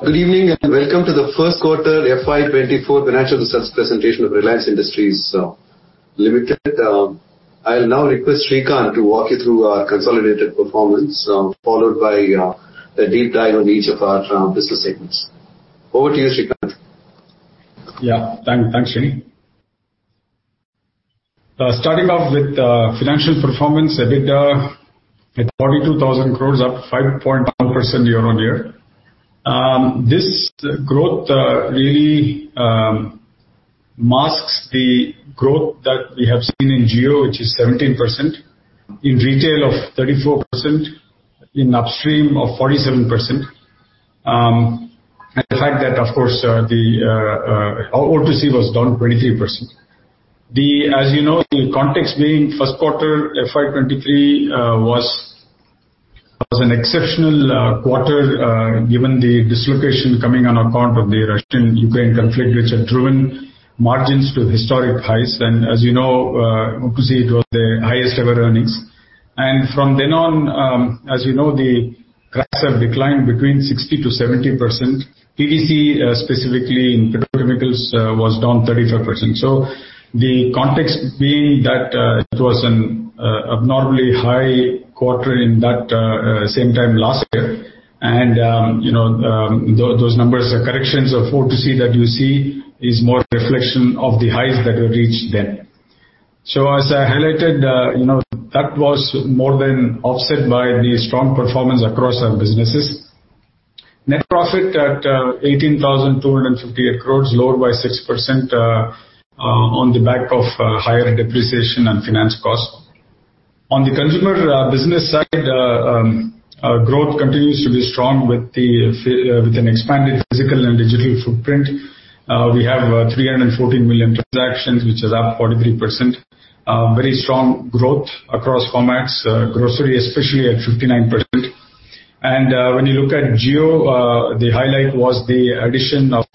Good evening, welcome to the Q1 FY 2024 Financial Results presentation of Reliance Industries Limited. I'll now request Srikanth to walk you through our consolidated performance, followed by a deep dive on each of our business segments. Over to you, Srikanth. Thanks, Sunny. Starting off with financial performance, EBITDA at 42,000 crores, up 5.1% year-on-year. This growth really masks the growth that we have seen in Jio, which is 17%, in retail of 34%, in upstream of 47%. The fact that, of course, the O2C was down 23%. As you know, the context being Q1 FY 2023 was an exceptional quarter given the dislocation coming on account of the Russia-Ukraine conflict, which had driven margins to historic highs. As you know, O2C it was the highest ever earnings. From then on, as you know, the cracks have declined between 60%-70%. PDC, specifically in petrochemicals, was down 35%. The context being that it was an abnormally high quarter in that same time last year. You know, those numbers, the corrections of O2C that you see is more a reflection of the highs that were reached then. As I highlighted, you know, that was more than offset by the strong performance across our businesses. Net profit at 18,258 crores, lower by 6%, on the back of higher depreciation and finance costs. On the consumer business side, our growth continues to be strong with an expanded physical and digital footprint. We have 314 million transactions, which is up 43%. Very strong growth across formats, grocery, especially at 59%. When you look at Jio, the highlight was the addition of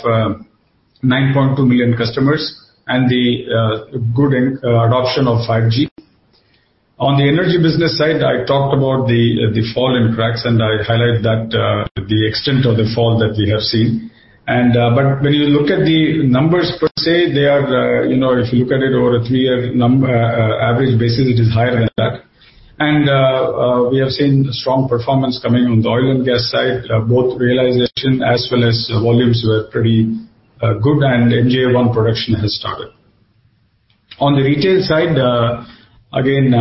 9.2 million customers and the good adoption 5 G. on the energy business side, I talked about the fall in cracks, I highlight that the extent of the fall that we have seen. When you look at the numbers per se, they are, you know, if you look at it over a 3 year average basis, it is higher than that. We have seen strong performance coming on the oil and gas side. Both realization as well as volumes were pretty good, and MJ1 production has started. On the retail side, again,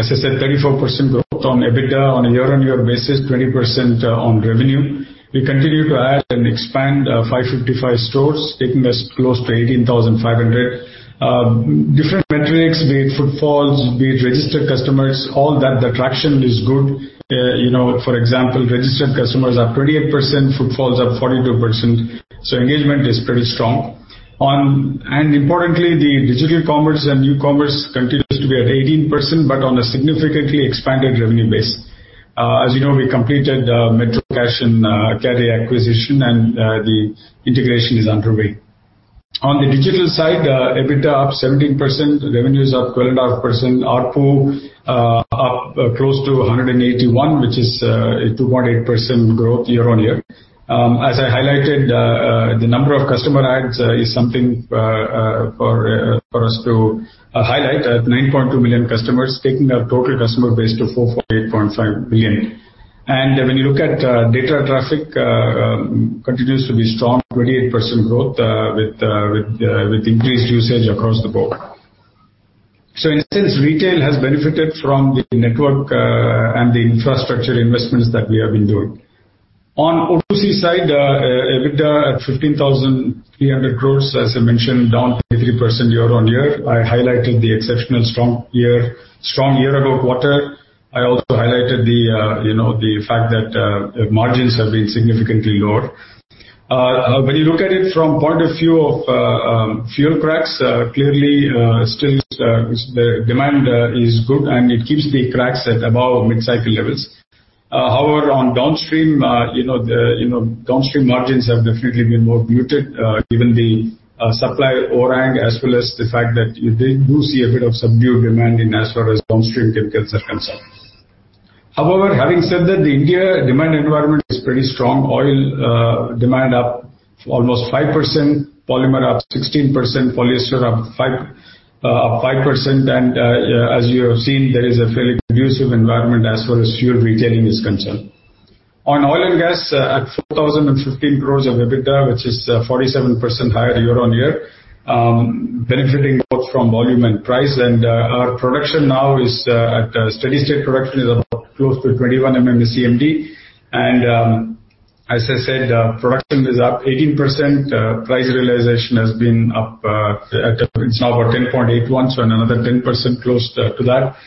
as I said, 34% growth on EBITDA on a year-on-year basis, 20% on revenue. We continue to add and expand 555 stores, taking us close to 18,500. Different metrics, be it footfalls, be it registered customers, all that, the traction is good. You know, for example, registered customers are 28%, footfalls are 42%, engagement is pretty strong. Importantly, the digital commerce and new commerce continues to be at 18%, but on a significantly expanded revenue base. As you know, we completed METRO Cash & Carry acquisition, the integration is underway. On the digital side, EBITDA up 17%, revenues up 12.5%, ARPU up close to 181, which is a 2.8% growth year-on-year. As I highlighted, the number of customer adds is something for us to highlight, 9.2 million customers, taking our total customer base to 448.5 billion. When you look at data traffic, continues to be strong, 28% growth with increased usage across the board. In a sense, retail has benefited from the network and the infrastructure investments that we have been doing. On O2C side, EBITDA at 15,300 crores, as I mentioned, down 23% year-on-year. I highlighted the exceptional strong year, strong year-ago quarter. I also highlighted the, you know, the fact that margins have been significantly lower. When you look at it from point of view of fuel cracks, clearly, still, the demand is good, and it keeps the cracks at above mid-cycle levels. However, on downstream, you know, downstream margins have definitely been more muted, given the supply overhang, as well as the fact that you did see a bit of subdued demand in as far as downstream chemicals are concerned. However, having said that, the India demand environment is pretty strong. Oil demand up almost 5%, polymer up 16%, polyester up 5%. As you have seen, there is a fairly conducive environment as well as fuel retailing is concerned. On oil and gas, at 4,015 crore of EBITDA, which is 47% higher year-on-year, benefiting both from volume and price. Our production now is at steady state production is about close to 21 MMSCMD. As I said, production is up 18%, price realization has been up, it's now about 10.81, so another 10% close to that.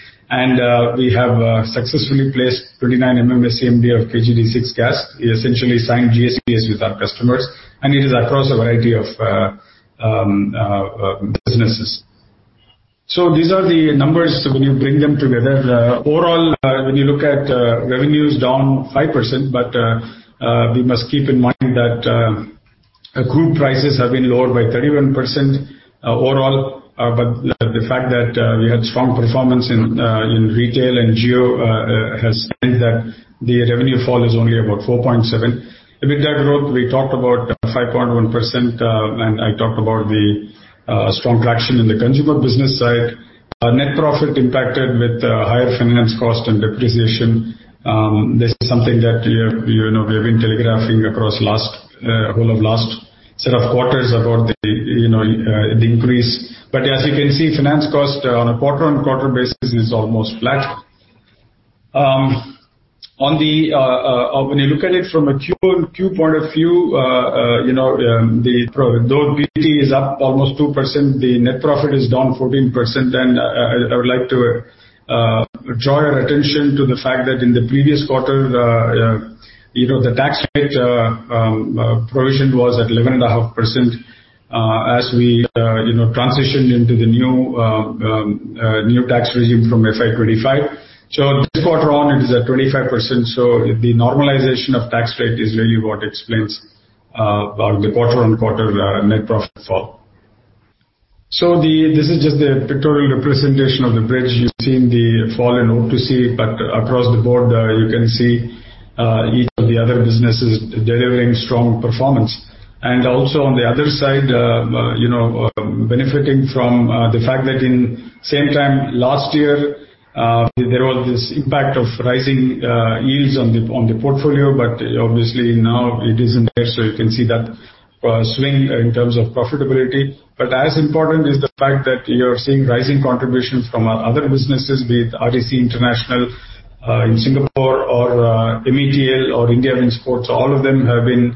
We have successfully placed 29 MMSCMD of KG-D6 gas. We essentially signed GSPS with our customers, and it is across a variety of businesses. These are the numbers when you bring them together. Overall, when you look at revenues down 5%, we must keep in mind that. Group prices have been lowered by 31% overall, but the fact that we had strong performance in retail and Jio has meant that the revenue fall is only about 4.7%. EBITDA growth, we talked about 5.1%, and I talked about the strong traction in the consumer business side. Our net profit impacted with higher finance cost and depreciation. This is something that, you know, we have been telegraphing across last whole of last set of quarters about the, you know, the increase. As you can see, finance cost on a quarter-on-quarter basis is almost flat. On the, when you look at it from a Q and Q point of view, you know, though EBITDA is up almost 2%, the net profit is down 14%. I would like to draw your attention to the fact that in the previous quarter, you know, the tax rate, provision was at 11.5%, as we, you know, transitioned into the new tax regime from FY 25. This quarter on, it is at 25%, the normalization of tax rate is really what explains the quarter-on-quarter, net profit fall. This is just a pictorial representation of the bridge. You've seen the fall in OTC. Across the board, you can see each of the other businesses delivering strong performance. Also on the other side, you know, benefiting from the fact that in same time last year, there was this impact of rising yields on the portfolio, but obviously now it is in there, so you can see that swing in terms of profitability. As important is the fact that you are seeing rising contributions from our other businesses, be it RDC International in Singapore or METL or Indiawin Sports. All of them have been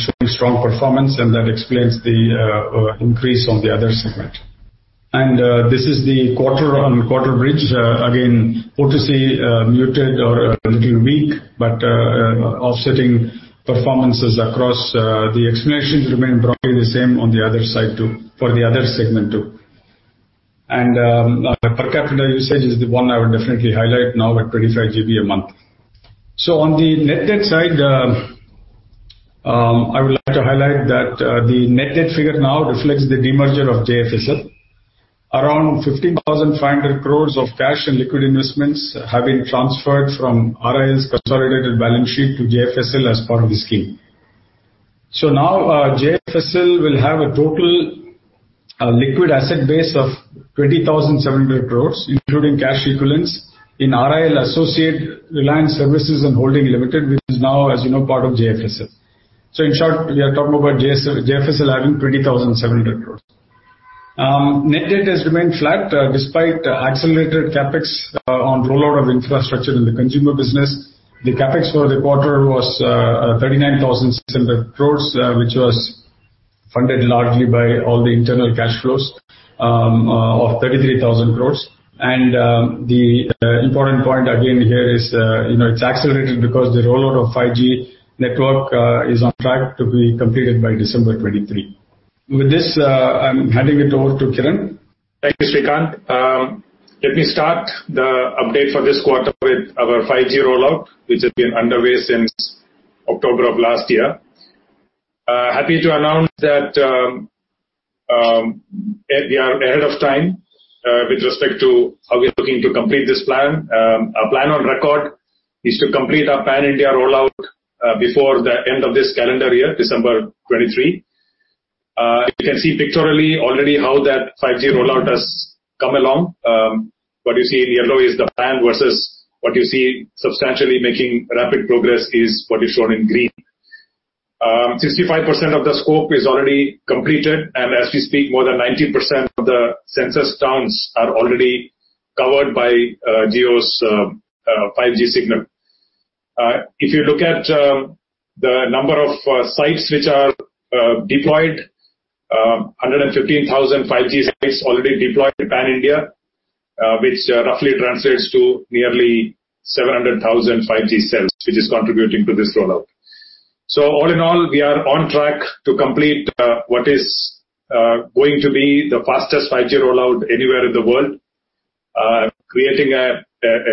showing strong performance, and that explains the increase on the other segment. This is the quarter-on-quarter bridge. Again, OTC, muted or a little weak, but offsetting performances across the explanations remain broadly the same on the other side, too, for the other segment, too. Per capita usage is the one I would definitely highlight now at 25 G a month. On the net debt side, I would like to highlight that the net debt figure now reflects the demerger of JFSL. Around 15,500 crores of cash and liquid investments have been transferred from RIL's consolidated balance sheet to JFSL as part of the scheme. Now, JFSL will have a total liquid asset base of 20,700 crores, including cash equivalents in RIL Associate Reliance Services And Holdings Limited, which is now, as you know, part of JFSL. In short, we are talking about JFSL having 20,700 crores. Net debt has remained flat, despite accelerated CapEx, on rollout of infrastructure in the consumer business. The CapEx for the quarter was 39,700 crores, which was funded largely by all the internal cash flows, of 33,000 crores. The important point again here is, you know, it's accelerated because the rollout 5 G network is on track to be completed by December 2023. With this, I'm handing it over to Kiran. Thank you, Srikanth. Let me start the update for this quarter with 5 G rollout, which has been underway since October of last year. Happy to announce that we are ahead of time with respect to how we're looking to complete this plan. Our plan on record is to complete our pan-India rollout before the end of this calendar year, December 2023. You can see pictorially already how 5 G rollout has come along. What you see in yellow is the plan, versus what you see substantially making rapid progress is what is shown in green. 65% of the scope is already completed, and as we speak, more than 90% of the census towns are already covered by 5 G signal. If you look at the number of sites which are deployed, 5 G sites already deployed in pan-India, which roughly translates to nearly 5 G cells, which is contributing to this rollout. All in all, we are on track to complete what is going to be the 5 G rollout anywhere in the world, creating a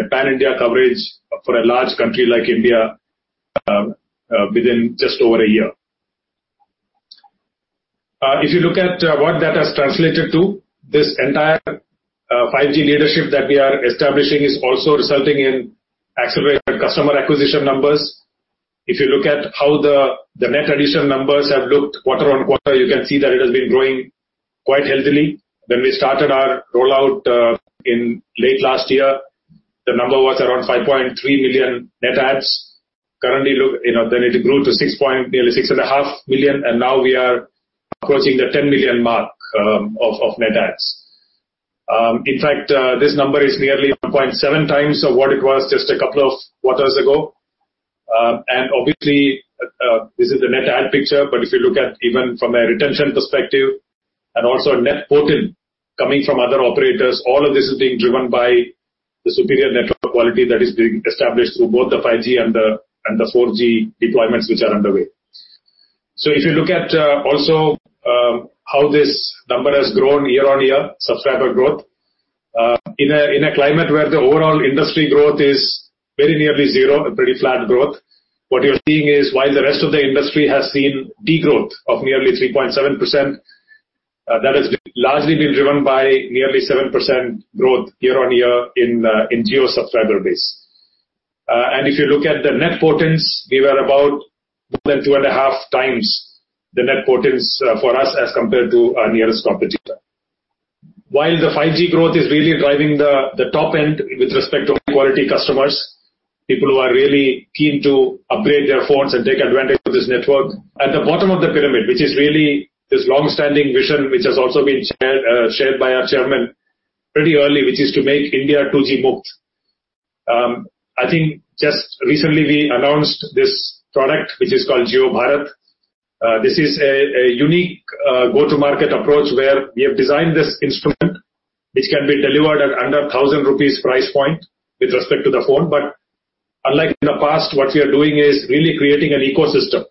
pan-India coverage for a large country like India within just over 1 year. If you look at what that has translated to, this 5 G leadership that we are establishing is also resulting in accelerated customer acquisition numbers. If you look at how the net addition numbers have looked quarter on quarter, you can see that it has been growing quite healthily. When we started our rollout, in late last year, the number was around 5.3 million net adds. Currently, look, you know, then it grew to nearly 6.5 million, and now we are approaching the 10 million mark of net adds. In fact, this number is nearly 1.7 times of what it was just a couple of quarters ago. Obviously, this is the net add picture, but if you look at even from a retention perspective and also a net port in, coming from other operators, all of this is being driven by the superior network quality that is being established through both 5 G and the 4G deployments which are underway. If you look at also how this number has grown year-on-year, subscriber growth. Uh, in a, in a climate where the overall industry growth is very nearly zero, a pretty flat growth, what you're seeing is, while the rest of the industry has seen degrowth of nearly three point seven percent, uh, that has been largely been driven by nearly seven percent growth year-on-year in, uh, in Jio subscriber base. Uh, and if you look at the net port-ins, we were about more than two and a half times the net port-ins, uh, for us as compared to our nearest competitor. While 5 G growth is really driving the, the top end with respect to quality customers, people who are really keen to upgrade their phones and take advantage of this network. At the bottom of the pyramid, which is really this long-standing vision, which has also been shared, uh, shared by our chairman pretty early, which is to make India 2G moved. I think just recently we announced this product, which is called Jio Bharat. This is a unique go-to-market approach, where we have designed this instrument, which can be delivered at under 1,000 rupees price point with respect to the phone. Unlike in the past, what we are doing is really creating an ecosystem.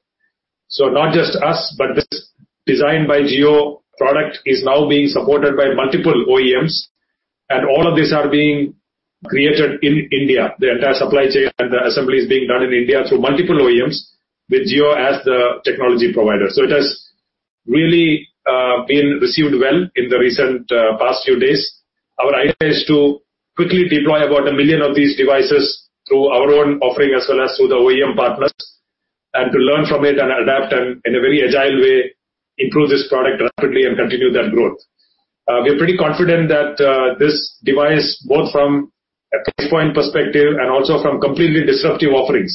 Not just us, but this designed by Jio product is now being supported by multiple OEMs, and all of these are being created in India. The entire supply chain and the assembly is being done in India through multiple OEMs, with Jio as the technology provider. It has really been received well in the recent past few days. Our idea is to quickly deploy about a million of these devices through our own offering, as well as through the OEM partners, and to learn from it and adapt, and in a very agile way, improve this product rapidly and continue that growth. We are pretty confident that this device, both from a price point perspective and also from completely disruptive offerings.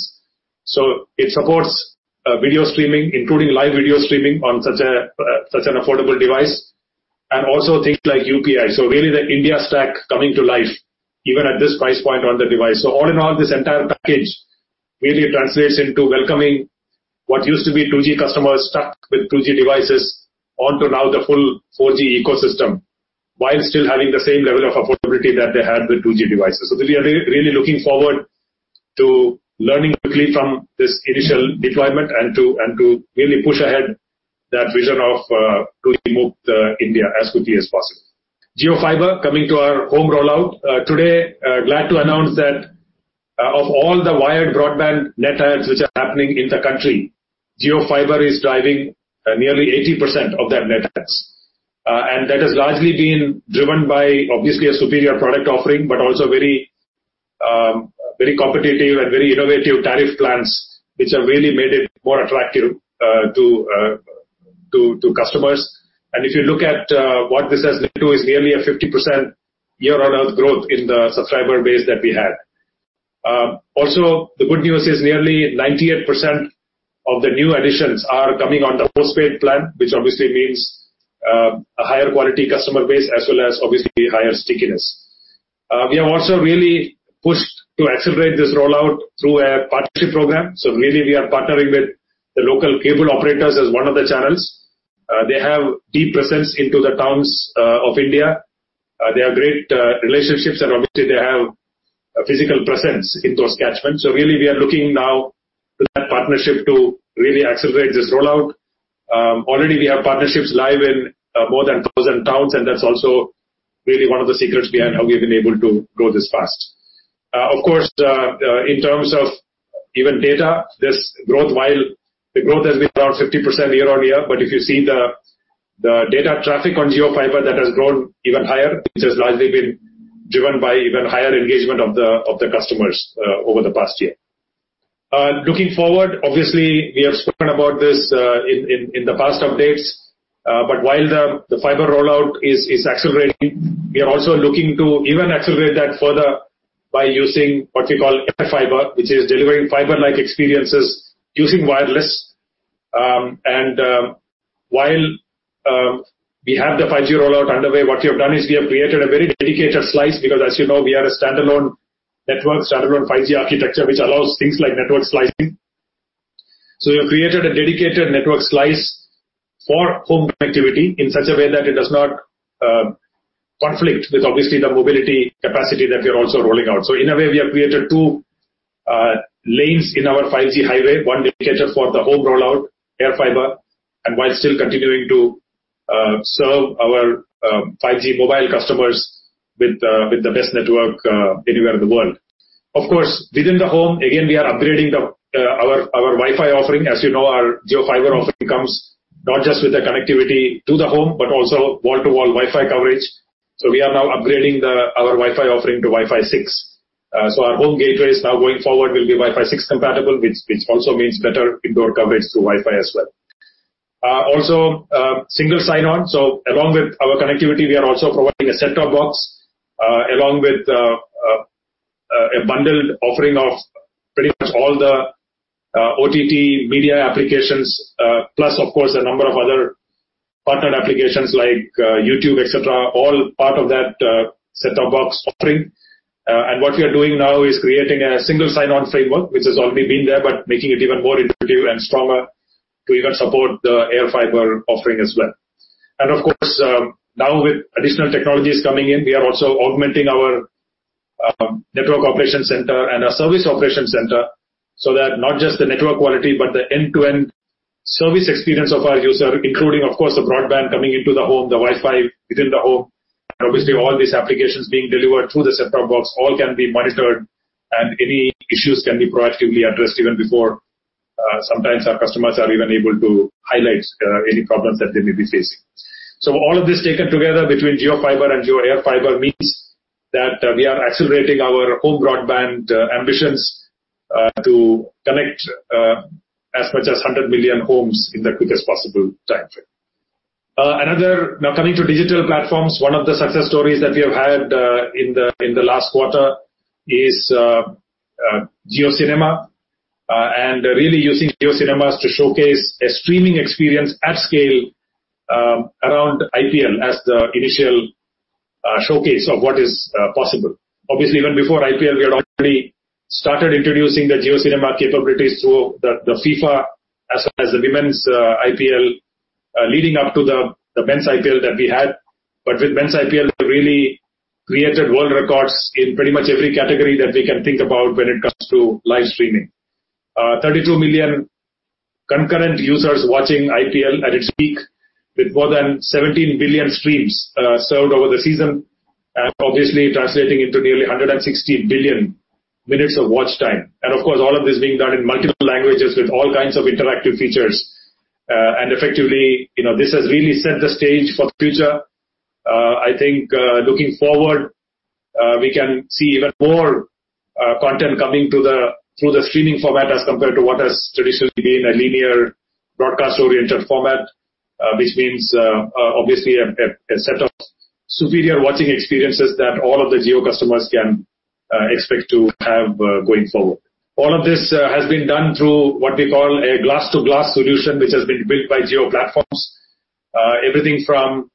It supports video streaming, including live video streaming on such a such an affordable device, and also things like UPI. Really, the India stack coming to life even at this price point on the device. All in all, this entire package really translates into welcoming what used to be 2G customers stuck with 2G devices onto now the full 4G ecosystem, while still having the same level of affordability that they had with 2G devices. We are really looking forward to learning quickly from this initial deployment and to really push ahead that vision of 2G moved India as quickly as possible. JioFiber, coming to our home rollout. Today, glad to announce that of all the wired broadband net adds, which are happening in the country, JioFiber is driving nearly 80% of their net adds. That has largely been driven by obviously a superior product offering, but also very competitive and very innovative tariff plans, which have really made it more attractive to customers. If you look at, what this has led to is nearly a 50% year-on-year growth in the subscriber base that we had. Also, the good news is nearly 98% of the new additions are coming on the postpaid plan, which obviously means a higher quality customer base, as well as obviously higher stickiness. We have also really pushed to accelerate this rollout through a partnership program. Really we are partnering with the local cable operators as one of the channels. They have deep presence into the towns of India. They have great relationships and obviously they have a physical presence in those catchments. Really, we are looking now to that partnership to really accelerate this rollout. Already we have partnerships live in more than 1,000 towns, and that's also really one of the secrets behind how we've been able to grow this fast. Of course, in terms of even data, this growth, while the growth has been around 50% year-on-year, but if you see the data traffic on JioFiber, that has grown even higher, which has largely been driven by even higher engagement of the customers over the past year. Looking forward, obviously, we have spoken about this in the past updates, but while the fiber rollout is accelerating, we are also looking to even accelerate that further by using what we call Air Fiber, which is delivering fiber-like experiences using wireless. While we have 5 G rollout underway, what we have done is we have created a very dedicated slice, because as you know, we are a standalone network, 5 G architecture, which allows things like network slicing. We have created a dedicated network slice for home connectivity in such a way that it does not conflict with obviously the mobility capacity that we are also rolling out. In a way, we have created two lanes in 5 G highway, one dedicated for the home rollout, Air Fiber, and while still continuing to serve 5 G mobile customers with the best network anywhere in the world. Of course, within the home, again, we are upgrading our Wi-Fi offering. As you know, our JioFiber offering comes not just with the connectivity to the home, but also wall-to-wall Wi-Fi coverage. We are now upgrading our Wi-Fi offering to Wi-Fi 6. So our home gateways now going forward will be Wi-Fi 6 compatible, which also means better indoor coverage to Wi-Fi as well. Also, single sign-on. Along with our connectivity, we are also providing a set-top box, along with a bundled offering of pretty much all the OTT media applications, plus, of course, a number of other partnered applications like YouTube, et cetera, all part of that set-top box offering. What we are doing now is creating a single sign-on framework, which has already been there, but making it even more intuitive and stronger to even support the Air Fiber offering as well. Of course, now with additional technologies coming in, we are also augmenting our-. network operation center and a service operation center, so that not just the network quality, but the end-to-end service experience of our user, including, of course, the broadband coming into the home, the Wi-Fi within the home, and obviously all these applications being delivered through the set-top box, all can be monitored and any issues can be proactively addressed even before sometimes our customers are even able to highlight any problems that they may be facing. All of this taken together between JioFiber and JioAirFiber means that we are accelerating our home broadband ambitions to connect as much as 100 million homes in the quickest possible timeframe. Now, coming to digital platforms, one of the success stories that we have had in the last quarter is JioCinema, and really using JioCinema to showcase a streaming experience at scale around IPL as the initial showcase of what is possible. Obviously, even before IPL, we had already started introducing the JioCinema capabilities through the FIFA, as well as the women's IPL, leading up to the men's IPL that we had. With men's IPL, we really created world records in pretty much every category that we can think about when it comes to live streaming. 32 million concurrent users watching IPL at its peak, with more than 17 billion streams, served over the season, and obviously translating into nearly 160 billion minutes of watch time. Of course, all of this being done in multiple languages with all kinds of interactive features. Effectively, you know, this has really set the stage for the future. I think, looking forward, we can see even more content coming through the streaming format as compared to what has traditionally been a linear broadcast-oriented format, which means, obviously a set of superior watching experiences that all of the Jio customers can expect to have going forward. All of this has been done through what we call a glass-to-glass solution, which has been built by Jio Platforms. Everything from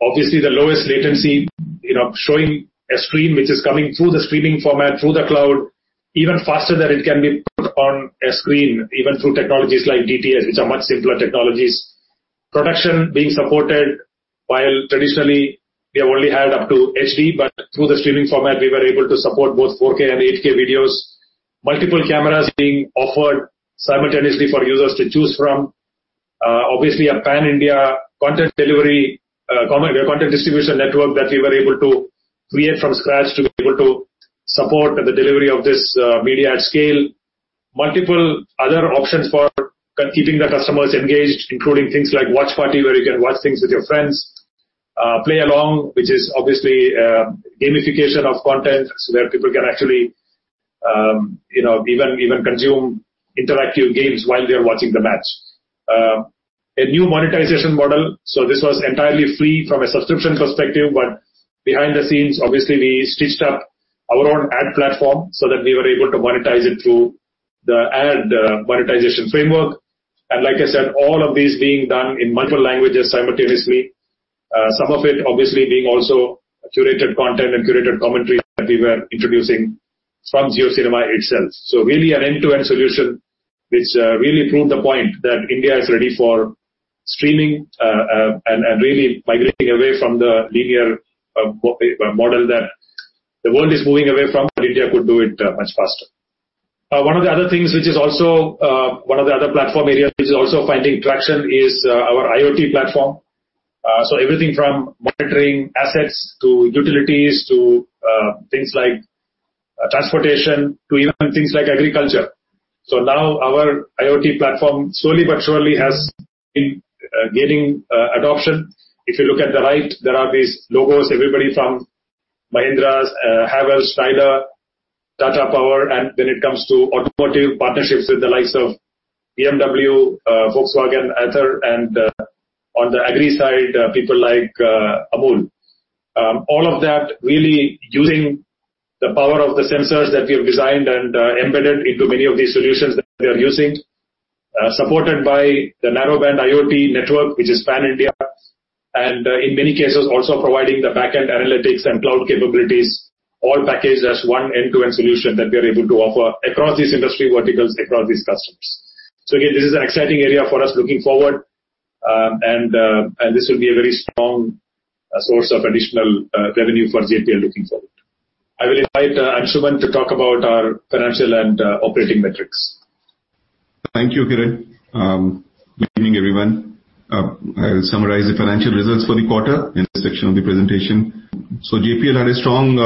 obviously the lowest latency, you know, showing a screen which is coming through the streaming format, through the cloud, even faster than it can be put on a screen, even through technologies like DTS, which are much simpler technologies. Production being supported, while traditionally we have only had up to HD, but through the streaming format, we were able to support both 4K and 8K videos. Multiple cameras being offered simultaneously for users to choose from. Obviously, a pan-India content delivery, content distribution network that we were able to create from scratch to be able to support the delivery of this media at scale. Multiple other options for keeping the customers engaged, including things like watch party, where you can watch things with your friends. play along, which is obviously, gamification of content, so where people can actually, you know, even consume interactive games while they are watching the match. A new monetization model. This was entirely free from a subscription perspective, but behind the scenes, obviously, we stitched up our own ad platform so that we were able to monetize it through the ad, monetization framework. like I said, all of these being done in multiple languages simultaneously. some of it obviously being also curated content and curated commentary that we were introducing from JioCinema itself. really an end-to-end solution, which really proved the point that India is ready for streaming, and really migrating away from the linear model that the world is moving away from, but India could do it much faster. One of the other things, which is also, one of the other platform areas which is also finding traction, is our IoT platform. Everything from monitoring assets, to utilities, to things like transportation, to even things like agriculture. Now our IoT platform, slowly but surely, has been gaining adoption. If you look at the right, there are these logos, everybody from Mahindra's, Havells, Schneider, Tata Power, and when it comes to automotive, partnerships with the likes of BMW, Volkswagen, Ather, and on the agri side, people like Amul. All of that really using the power of the sensors that we have designed and embedded into many of these solutions that we are using. supported by the Narrowband IoT network, which is pan-India, and in many cases also providing the back-end analytics and cloud capabilities, all packaged as one end-to-end solution that we are able to offer across these industry verticals, across these customers. Again, this is an exciting area for us looking forward, and this will be a very strong source of additional revenue for JPL looking forward. I will invite Anshuman to talk about our financial and operating metrics. Thank you, Kiran. Good evening, everyone. I'll summarize the financial results for the quarter in this section of the presentation. JPL had a strong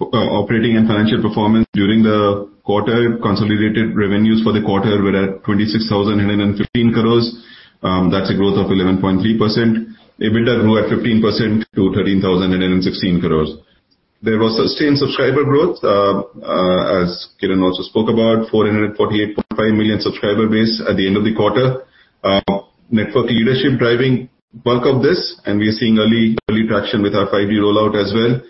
operating and financial performance during the quarter. Consolidated revenues for the quarter were at 26,015 crores. That's a growth of 11.3%. EBITDA grew at 15% to 13,016 crores. There was sustained subscriber growth as Kiran also spoke about, 448.5 million subscriber base at the end of the quarter. Network leadership driving bulk of this, and we are seeing early traction with 5 G rollout as well.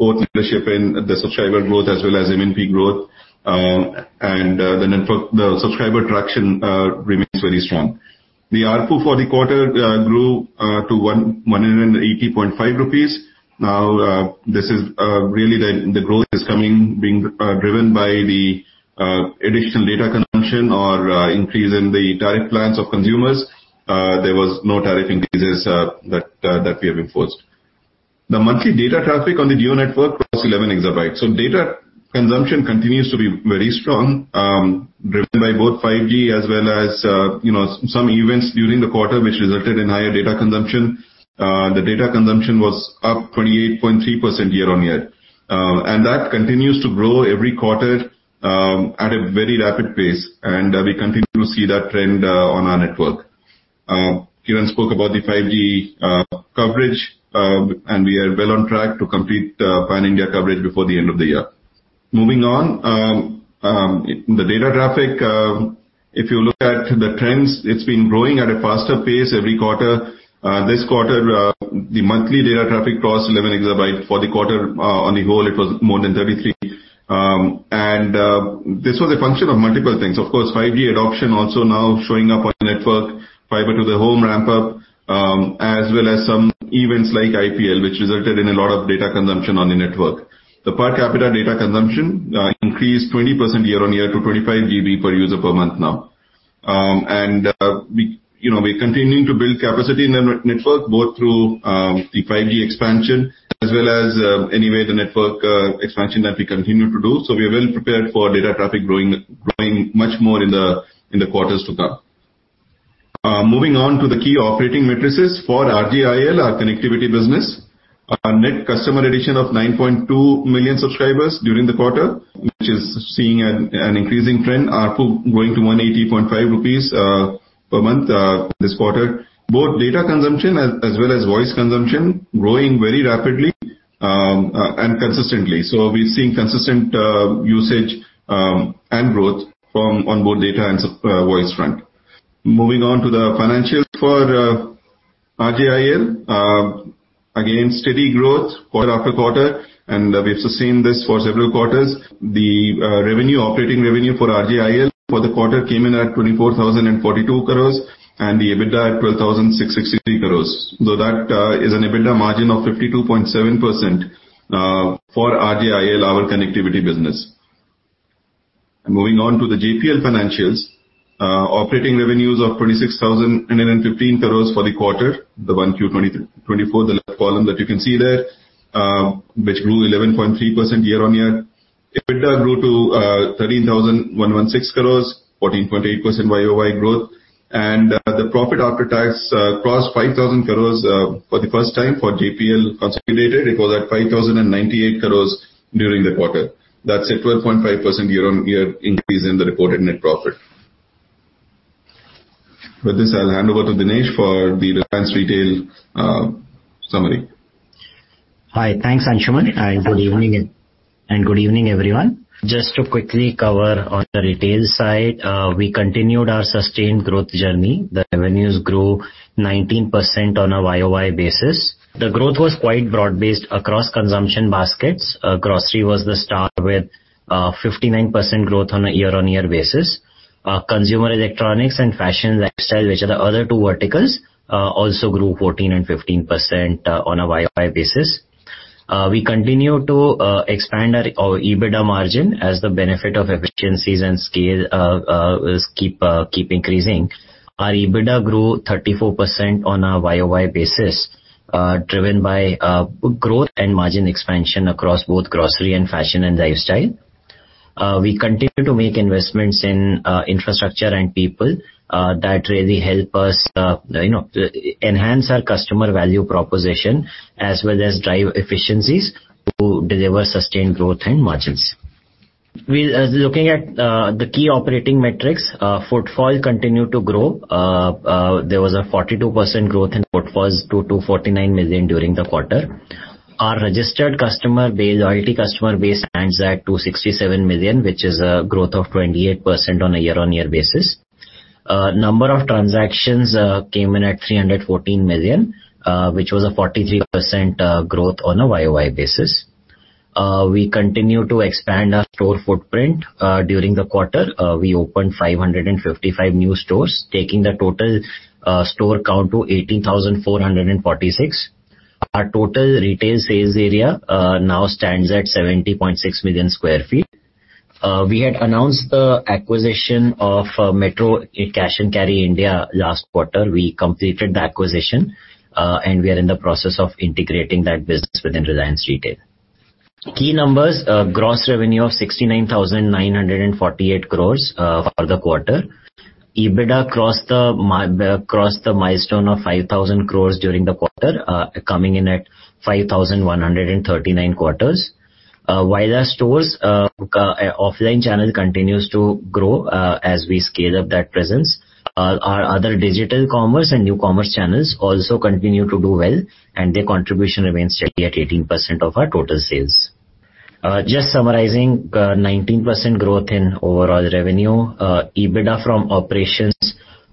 Both leadership and the subscriber growth as well as MNP growth, and the subscriber traction remains very strong. The ARPU for the quarter grew to 180.5 rupees. This is really the growth is being driven by the additional data consumption or increase in the tariff plans of consumers. There was no tariff increases that we have enforced. The monthly data traffic on the Jio network was 11 EB. Data consumption continues to be very strong, driven by both 5 G as well as, you know, some events during the quarter, which resulted in higher data consumption. The data consumption was up 28.3% year-on-year. That continues to grow every quarter at a very rapid pace, and we continue to see that trend on our network. Kiran spoke about the 5 G coverage, and we are well on track to complete pan-India coverage before the end of the year. Moving on, the data traffic, if you look at the trends, it's been growing at a faster pace every quarter. This quarter, the monthly data traffic crossed 11 EB. For the quarter, on the whole, it was more than 33. And this was a function of multiple things. Of course, 5 G adoption also now showing up on the network, fiber to the home ramp up, as well as some events like IPL, which resulted in a lot of data consumption on the network. The per capita data consumption increased 20% year-on-year to 25 GB per user per month now. We, you know, we're continuing to build capacity in the network, both through 5 G expansion as well as the network expansion that we continue to do. We are well prepared for data traffic growing much more in the quarters to come. Moving on to the key operating matrices for RJIL, our connectivity business. Our net customer addition of 9.2 million subscribers during the quarter, which is seeing an increasing trend, ARPU growing to 180.5 rupees per month this quarter. Both data consumption as well as voice consumption, growing very rapidly and consistently. We're seeing consistent usage and growth from on both data and voice front. Moving on to the financials for RJIL. Again, steady growth quarter after quarter, we've sustained this for several quarters. The revenue, operating revenue for RJIL for the quarter came in at 24,042 crores, and the EBITDA at 12,663 crores. That is an EBITDA margin of 52.7% for RJIL, our connectivity business. Moving on to the JPL financials. Operating revenues of 26,015 crores for the quarter, the 1Q 2024, the left column that you can see there, which grew 11.3% year-on-year. EBITDA grew to 13,116 crores, 14.8% YoY growth. The profit after tax crossed 5,000 crores for the first time for JPL consolidated. It was at 5,098 crores during the quarter. That's a 12.5% year-on-year increase in the reported net profit. With this, I'll hand over to Dinesh for the Reliance Retail summary. Hi. Thanks, Anshuman, and good evening, and good evening, everyone. Just to quickly cover on the retail side, we continued our sustained growth journey. The revenues grew 19% on a YoY basis. The growth was quite broad-based across consumption baskets. Grocery was the star with 59% growth on a year-over-year basis. Consumer electronics and fashion lifestyle, which are the other two verticals, also grew 14% and 15% on a YoY basis. We continue to expand our EBITDA margin as the benefit of efficiencies and scale, is keep increasing. Our EBITDA grew 34% on a YoY basis, driven by growth and margin expansion across both grocery and fashion and lifestyle. We continue to make investments in infrastructure and people that really help us, you know, enhance our customer value proposition, as well as drive efficiencies to deliver sustained growth and margins. We looking at the key operating metrics, footfall continued to grow. There was a 42% growth in footfalls to 249 million during the quarter. Our registered customer base, loyalty customer base, stands at 267 million, which is a growth of 28% on a year-on-year basis. Number of transactions came in at 314 million, which was a 43% growth on a YoY basis. We continue to expand our store footprint. During the quarter, we opened 555 new stores, taking the total store count to 18,446. Our total retail sales area, now stands at 70.6 million sq ft. We had announced the acquisition of METRO Cash & Carry India last quarter. We completed the acquisition, and we are in the process of integrating that business within Reliance Retail. Key numbers, gross revenue of 69,948 crores, for the quarter. EBITDA crossed the milestone of 5,000 crores during the quarter, coming in at 5,139 crores. While our stores, offline channel continues to grow, as we scale up that presence, our other digital commerce and new commerce channels also continue to do well, and their contribution remains steady at 18% of our total sales. Just summarizing, 19% growth in overall revenue. EBITDA from operations,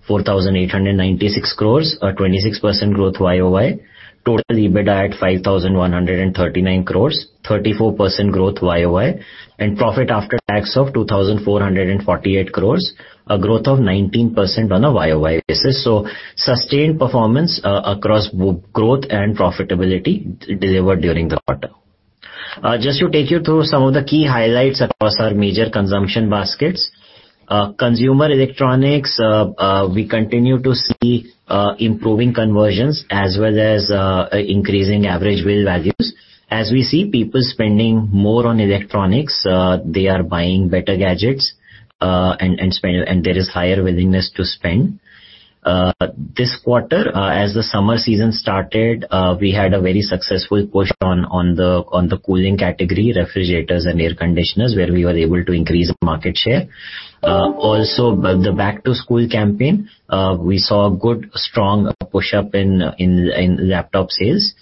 4,896 crores, a 26% growth YoY. Total EBITDA at 5,139 crores, 34% growth YoY, and profit after tax of 2,448 crores, a growth of 19% on a YoY basis. Sustained performance across both growth and profitability delivered during the quarter. Just to take you through some of the key highlights across our major consumption baskets. Consumer electronics, we continue to see improving conversions as well as increasing average bill values. As we see people spending more on electronics, they are buying better gadgets, and there is higher willingness to spend. This quarter, as the summer season started, we had a very successful push on the cooling category, refrigerators and air conditioners, where we were able to increase market share. The back-to-school campaign, we saw a good strong push-up in laptop sales.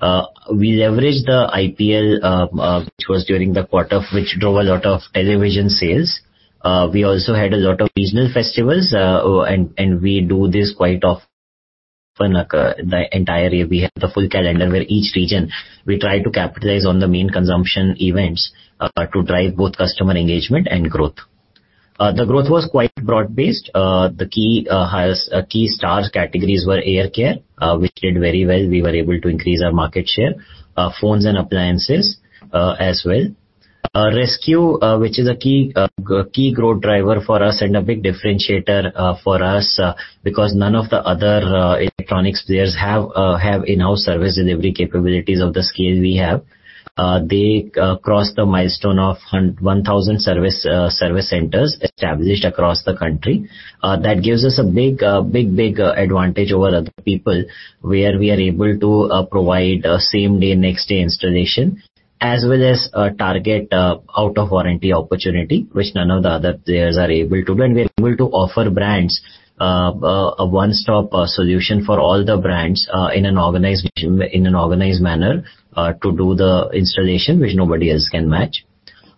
We leveraged the IPL, which was during the quarter, which drove a lot of television sales. We also had a lot of regional festivals, and we do this quite often, like the entire year. We have the full calendar where each region, we try to capitalize on the main consumption events to drive both customer engagement and growth. The growth was quite broad-based. The key high key star categories were air care, which did very well. We were able to increase our market share, phones and appliances, as well. Rescue, which is a key growth driver for us and a big differentiator for us, because none of the other electronics players have in-house service delivery capabilities of the scale we have. They crossed the milestone of 1,000 service centers established across the country. That gives us a big advantage over other people, where we are able to provide same-day, next-day installation, as well as target out-of-warranty opportunity, which none of the other players are able to do. We're able to offer brands a one-stop solution for all the brands in an organized manner to do the installation, which nobody else can match.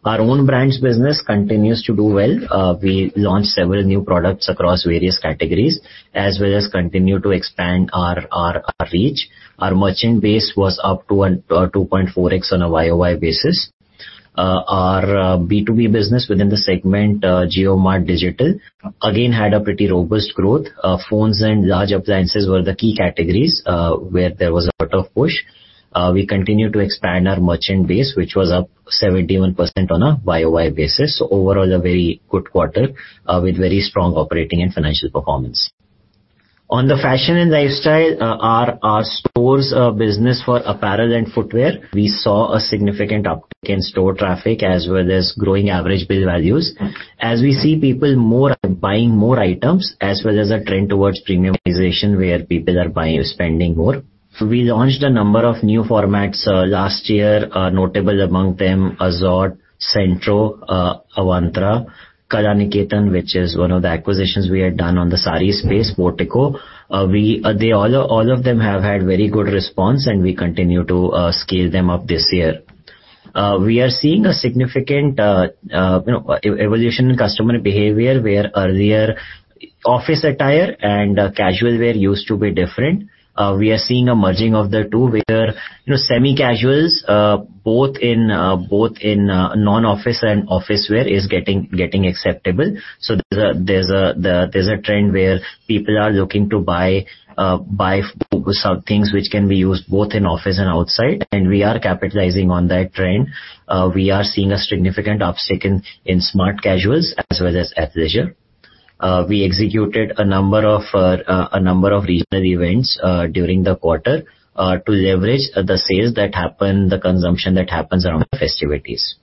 Our own brands business continues to do well. We launched several new products across various categories, as well as continue to expand our reach. Our merchant base was up to 2.4x on a YoY basis. Our B2B business within the segment, JioMart Digital, again, had a pretty robust growth. Phones and large appliances were the key categories where there was a lot of push. We continued to expand our merchant base, which was up 71% on a YoY basis. Overall, a very good quarter with very strong operating and financial performance. On the fashion and lifestyle, our stores, business for apparel and footwear, we saw a significant uptick in store traffic, as well as growing average bill values. As we see people buying more items, as well as a trend towards premiumization, where people are buying, spending more. We launched a number of new formats last year, notable among them, AZORTE, Centro, Avantra, Kalanikethan, which is one of the acquisitions we had done on the saree space, Portico. We, they all of them have had very good response, and we continue to scale them up this year. We are seeing a significant, you know, e-evolution in customer behavior, where earlier office attire and casual wear used to be different. We are seeing a merging of the two, where, you know, semi-casuals, both in, both in, non-office and office wear is getting acceptable. There's a trend where people are looking to buy some things which can be used both in office and outside, and we are capitalizing on that trend. We are seeing a significant uptick in smart casuals as well as athleisure. We executed a number of regional events during the quarter to leverage the sales that happen, the consumption that happens around the festivities.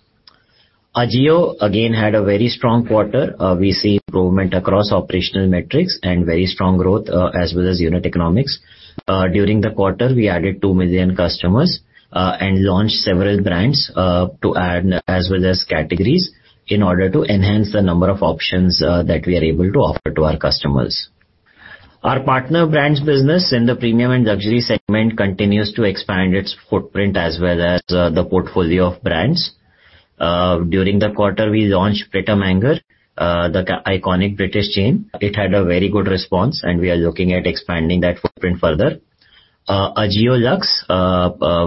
AJIO again had a very strong quarter. We see improvement across operational metrics and very strong growth as well as unit economics. During the quarter, we added 2 million customers and launched several brands, to add, as well as categories, in order to enhance the number of options that we are able to offer to our customers. Our partner brands business in the premium and luxury segment continues to expand its footprint as well as the portfolio of brands. During the quarter, we launched Pret A Manger, the iconic British chain. It had a very good response, and we are looking at expanding that footprint further. AJIO Luxe,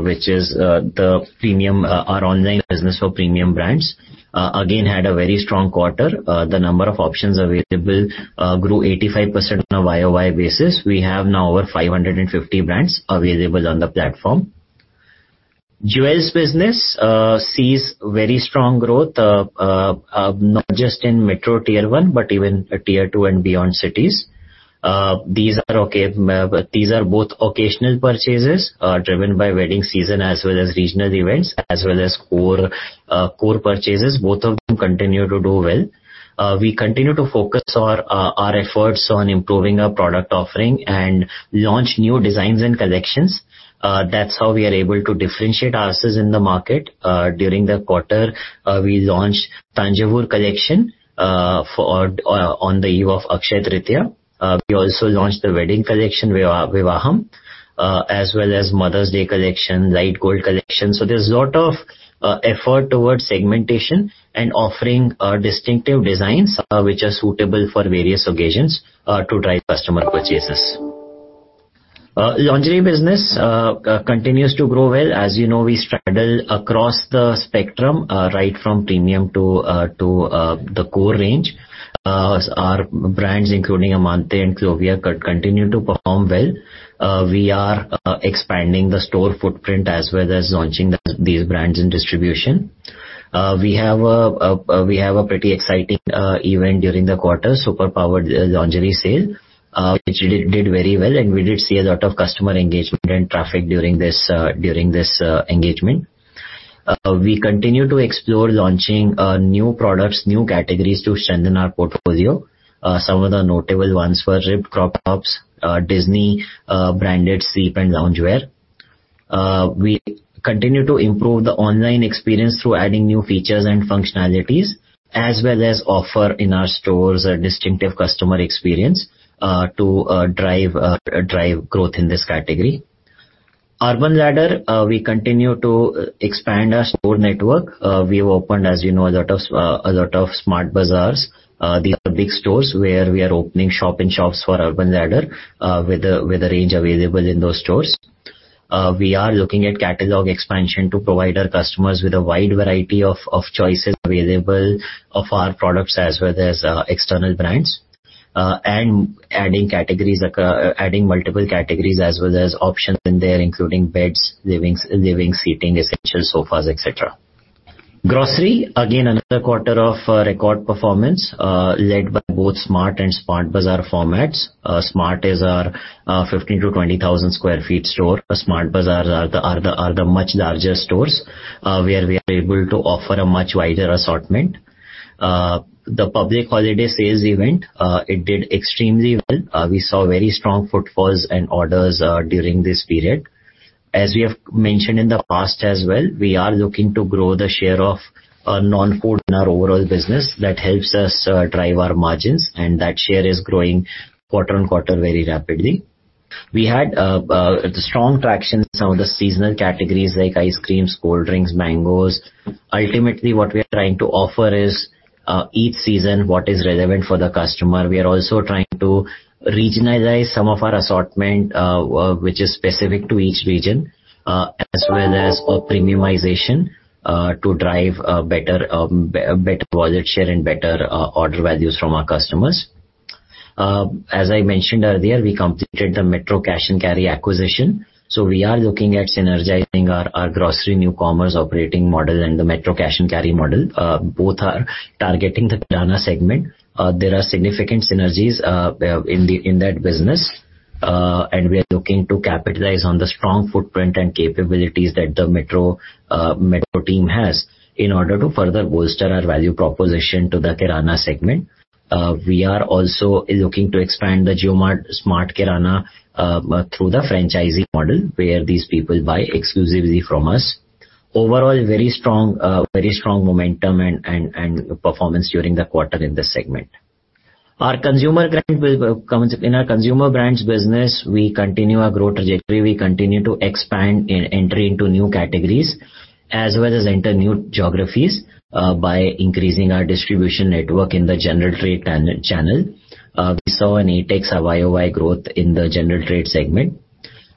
which is the premium, our online business for premium brands, again, had a very strong quarter. The number of options available grew 85% on a YoY basis. We have now over 550 brands available on the platform. Jewels business sees very strong growth not just in Metro Tier 1, but even Tier2 and beyond cities. These are both occasional purchases driven by wedding season, as well as regional events, as well as core purchases. Both of them continue to do well. We continue to focus our efforts on improving our product offering and launch new designs and collections. That's how we are able to differentiate ourselves in the market. During the quarter, we launched Thanjavur collection for on the eve of Akshaya Tritiya. We also launched the wedding collection, Vivaham, as well as Mother's Day collection, Lite Gold collection. There's a lot of effort towards segmentation and offering distinctive designs, which are suitable for various occasions to drive customer purchases. Lingerie business continues to grow well. As you know, we straddle across the spectrum, right from premium to the core range. Our brands, including amanté and Clovia, continue to perform well. We are expanding the store footprint, as well as launching these brands in distribution. We have a pretty exciting event during the quarter, Superpowered Lingerie Sale, which did very well, and we did see a lot of customer engagement and traffic during this during this engagement. We continue to explore launching new products, new categories to strengthen our portfolio. Some of the notable ones were ribbed crop tops, Disney branded sleep and loungewear. We continue to improve the online experience through adding new features and functionalities, as well as offer in our stores a distinctive customer experience to drive growth in this category. Urban Ladder, we continue to expand our store network. We've opened, as you know, a lot of Smart Bazaars. These are big stores where we are opening shop-in-shops for Urban Ladder with a range available in those stores. We are looking at catalog expansion to provide our customers with a wide variety of choices available of our products, as well as external brands. Adding categories, adding multiple categories as well as options in there, including beds, living, seating, essential sofas, etc. Grocery, again, another quarter of record performance, led by both SMART and Smart Bazaar formats. SMART is our 15,000-20,000 sq ft store. Smart Bazaar are the much larger stores, where we are able to offer a much wider assortment. The public holiday sales event, it did extremely well. We saw very strong footfalls and orders during this period. As we have mentioned in the past as well, we are looking to grow the share of non-food in our overall business. That helps us drive our margins, and that share is growing quarter-on-quarter very rapidly. We had strong traction in some of the seasonal categories like ice creams, cold drinks, mangoes. Ultimately, what we are trying to offer is each season, what is relevant for the customer. We are also trying to regionalize some of our assortment, which is specific to each region, as well as a premiumization to drive better wallet share and better order values from our customers. As I mentioned earlier, we completed the METRO Cash and Carry acquisition, so we are looking at synergizing our grocery new commerce operating model and the METRO Cash and Carry model. Both are targeting the Kirana segment. There are significant synergies in that business, and we are looking to capitalize on the strong footprint and capabilities that the METRO team has in order to further bolster our value proposition to the Kirana segment. We are also looking to expand the JioMart Smart Kirana through the franchising model, where these people buy exclusively from us. Overall, very strong momentum and performance during the quarter in this segment. In our consumer brands business, we continue our growth trajectory. We continue to expand and enter into new categories, as well as enter new geographies by increasing our distribution network in the general trade channel. We saw an 8x YoY growth in the general trade segment.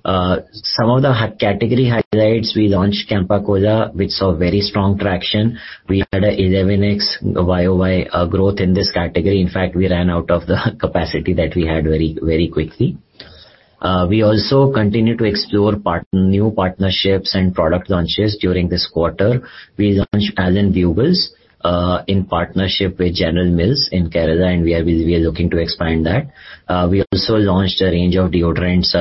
Some of the category highlights, we launched Campa Cola, which saw very strong traction. We had an 11x YoY growth in this category. In fact, we ran out of the capacity that we had very, very quickly. We also continued to explore new partnerships and product launches during this quarter. We launched Alan's Bugles in partnership with General Mills in Kerala, and we are looking to expand that. We also launched a range of deodorants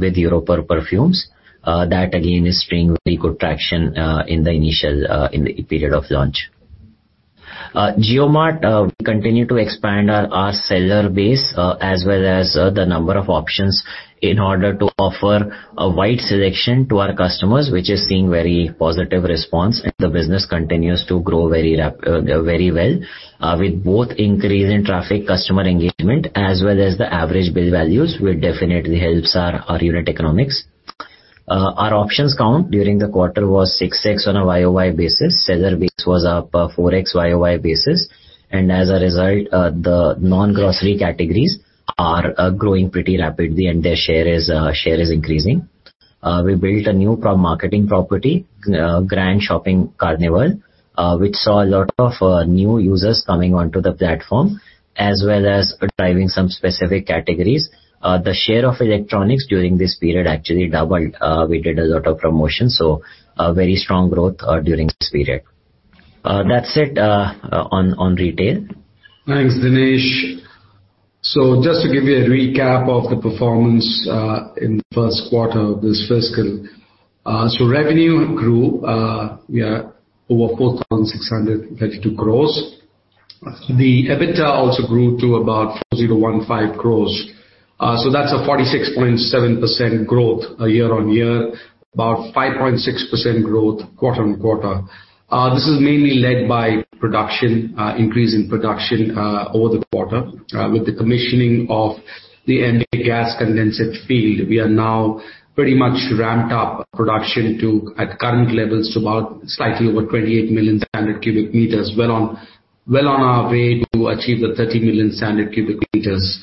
with Europa perfumes. That again is seeing very good traction in the initial in the period of launch. JioMart, we continue to expand our seller base, as well as the number of options in order to offer a wide selection to our customers, which is seeing very positive response, and the business continues to grow very well. With both increase in traffic customer engagement, as well as the average bill values, which definitely helps our unit economics. Our options count during the quarter was 6x on a YoY basis. Seller base was up 4x YoY basis, and as a result, the non-grocery categories are growing pretty rapidly, and their share is increasing. We built a new pro- marketing property, Grand Shopping Carnival, which saw a lot of new users coming onto the platform, as well as driving some specific categories. The share of electronics during this period actually doubled. We did a lot of promotions, so very strong growth during this period. That's it on retail. Thanks, Dinesh. Just to give you a recap of the performance in the Q1 of this fiscal. Revenue grew over 4,632 crores. The EBITDA also grew to about 4,015 crores. That's a 46.7% growth year-on-year, about 5.6% growth quarter-on-quarter. This is mainly led by production, increase in production over the quarter. With the commissioning of the MJ gas condensate field, we are now pretty much ramped up production to, at current levels, to about slightly over 28 million standard cubic meters. Well on our way to achieve the 30 million standard cubic meters,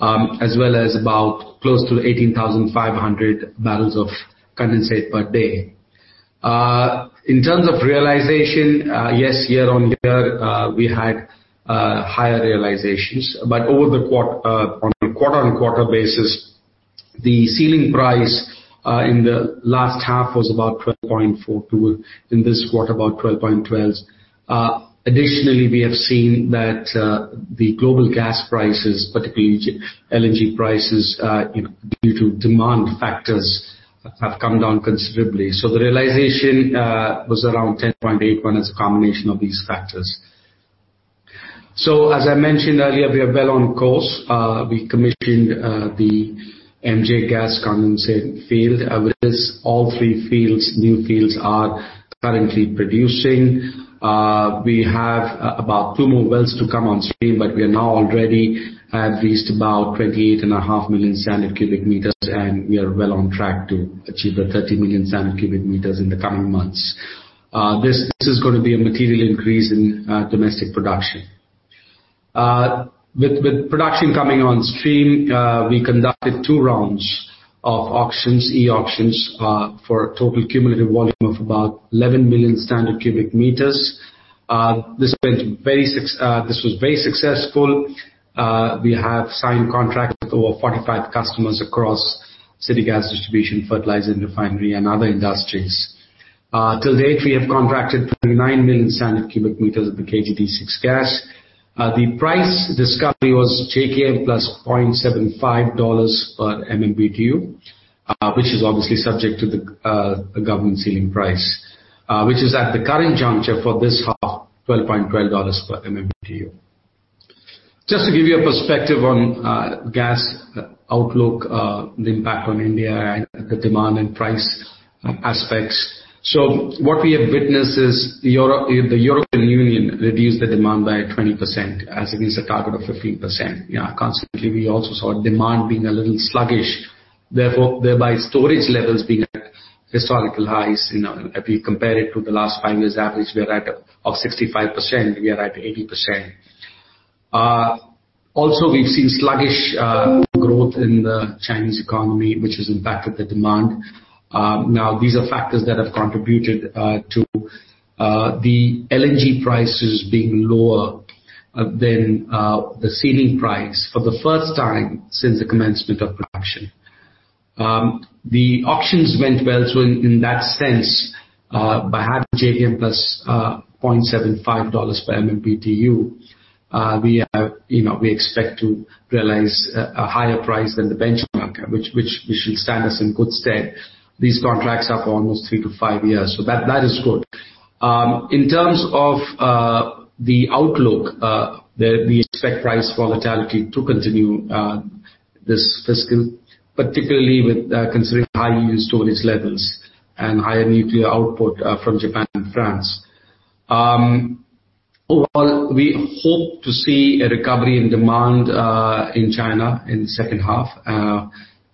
as well as about close to 18,500 barrels of condensate per day. In terms of realization, yes, year-on-year, we had higher realizations. On a quarter-on-quarter basis, the ceiling price in the last half was about $12.42 per MMBtu. In this quarter, about $12.12 per MMBtu. Additionally, we have seen that the global gas prices, particularly LNG prices, due to demand factors, have come down considerably. The realization was around $10.81 per MMBtu as a combination of these factors. As I mentioned earlier, we are well on course. We commissioned the MJ gas condensate field. With this, all three fields, new fields, are currently producing. We have about 2 more wells to come on stream. We are now already at least about 28.5 million standard cubic meters. We are well on track to achieve the 30 million standard cubic meters in the coming months. This is going to be a material increase in domestic production. With production coming on stream, we conducted 2 rounds of auctions, e-auctions, for a total cumulative volume of about 11 million standard cubic meters. This went very successful. We have signed contracts with over 45 customers across city gas distribution, fertilizer, refinery, and other industries. Till date, we have contracted 39 million standard cubic meters of the KG-D6 gas. The price discovery was JKM plus $0.75 per MMBtu, which is obviously subject to the government ceiling price, which is at the current juncture for this half, $12.12 per MMBtu. Just to give you a perspective on gas outlook, the impact on India and the demand and price aspects. What we have witnessed is the European Union reduced the demand by 20%, as against a target of 15%. Yeah, consequently, we also saw demand being a little sluggish, therefore, thereby storage levels being at historical highs. You know, if you compare it to the last 5 years average, we are of 65%, we are at 80%. Also, we've seen sluggish growth in the Chinese economy, which has impacted the demand. Now, these are factors that have contributed to the LNG prices being lower than the ceiling price for the first time since the commencement of production. The auctions went well, so in that sense, by having JKM plus $0.75 per MMBtu, we have, you know, we expect to realize a higher price than the benchmark, which should stand us in good stead. These contracts are for almost 3-5 years, so that is good. In terms of the outlook, we expect price volatility to continue this fiscal, particularly with considering high storage levels and higher nuclear output from Japan and France. Overall, we hope to see a recovery in demand in China in the second half,